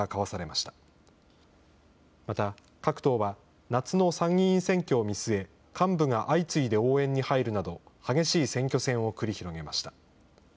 また各党は、夏の参議院選挙を見据え、幹部が相次いで応援に入るなど、激しい選挙戦を繰り広げました。